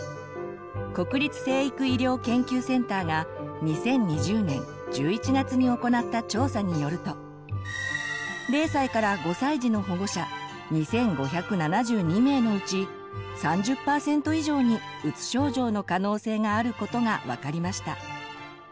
国立成育医療研究センターが２０２０年１１月に行った調査によると０歳から５歳児の保護者２，５７２名のうち３０％以上にうつ症状の可能性があることが分かりました。